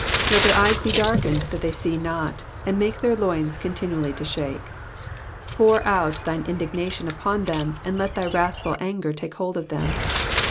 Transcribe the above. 23 Let their eyes be darkened, that they see not ; and make their loins continually to shake. 24 Pour out thine indignation upon them, and let thy wrath ful anger take hold of them.